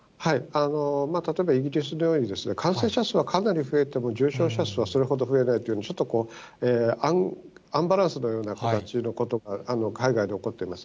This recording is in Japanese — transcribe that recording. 例えばイギリスのように、感染者数はかなり増えても重症者数はそれほど増えないという、ちょっとアンバランスのような形が海外で起こってます。